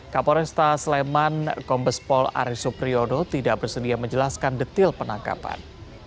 kapolresta sleman kombespol arisupriodo tidak bersedia menjelaskan detil penangkapan